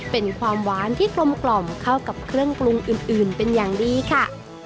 เป็นความหวานที่กลมกล่อมเข้ากับเครื่องปรุงอื่นเป็นอย่างดีค่ะ